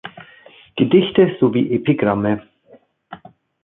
Gedichte sowie Epigramme.